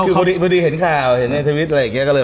คือพอดีเห็นข่าวเห็นในทวิตอะไรอย่างนี้